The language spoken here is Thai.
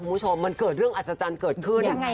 มันเกิดอัศจรรย์เกิดขึ้น